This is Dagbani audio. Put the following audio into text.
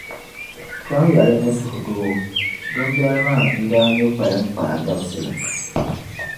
Kpɛm ya li ni suhudoo, dindali maa ndaa nyɛ kpaliŋkpaa dabsili.